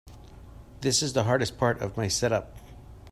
This is the hardest part of my setup.